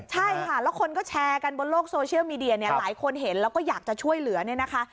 ใช่ค่ะแล้วคนก็แชร์กันบนโลกโซเชียลมีเดียเนี่ยหลายคนเห็นแล้วก็อยากจะช่วยเหลือเนี่ยนะคะ